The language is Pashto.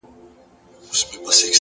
• خپلي خبري خو نو نه پرې کوی ـ